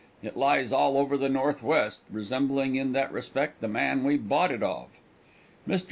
It lies all over the northwest, resembling in that respect the man we bought it of. Mr.